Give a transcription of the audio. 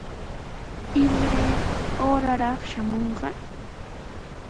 ¿Imaya uuraraq shamunqa?